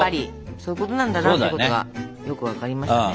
そういうことなんだなってことがよく分かりましたね。